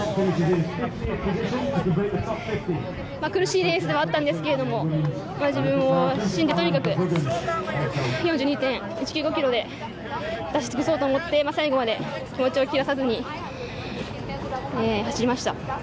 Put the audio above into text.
苦しいレースではあったんですけど、自分を信じて、とにかく４２．１９５ｋｍで、出し尽くそうと思って、最後まで気持ちを切らさずに走りました。